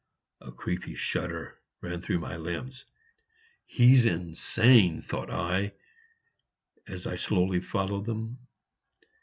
A creepy shudder ran through my limbs: "He's insane," thought I, as I slowly followed them.